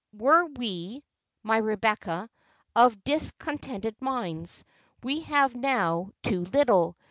Were we, my Rebecca, of discontented minds, we have now too little.